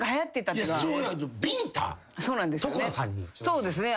そうですね。